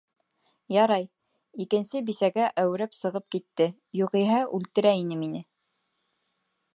Ярай, икенсе бисәгә әүрәп сығып китте, юғиһә үлтерә ине мине.